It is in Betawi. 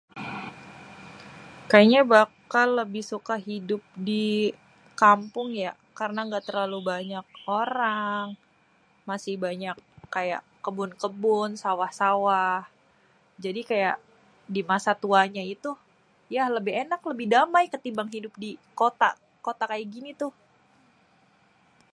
kayénya bakal lebih suka hidup di kampung ya karna ga terlalu banyak orang masi banyak kébon-kébon sawah-sawah jadi kaya dimasa tuanya itu ya lebih enak lebih damai ya kétimbang hidup dikota, kota kaya gini tuh.